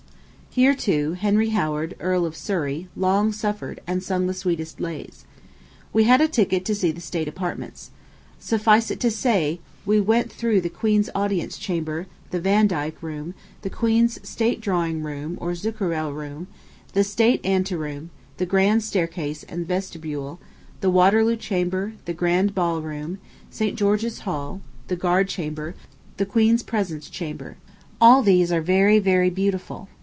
Here, too, Henry Howard, Earl of Surrey, long suffered, and sung the sweetest lays. We had a ticket to see the state apartments. Suffice it to say that we went through the Queen's Audience Chamber, the Vandyke Room, the Queen's State Drawing Boom or Zuccharelle Room, the State Ante Room, the Grand Staircase and Vestibule, the Waterloo Chamber, the Grand Ball Room, St. George's Hall, the Guard Chamber, the Queen's Presence Chamber. All these are very, very beautiful.